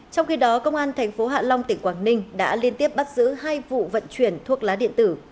trong khi đó công an thành phố hạ long tỉnh quảng ninh đã liên tiếp bắt giữ hai vụ vận chuyển thuốc lá điện tử